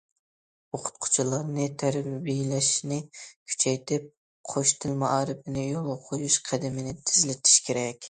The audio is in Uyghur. ئوقۇتقۇچىلارنى تەربىيەلەشنى كۈچەيتىپ،‹‹ قوش تىل›› مائارىپىنى يولغا قويۇش قەدىمىنى تېزلىتىش كېرەك.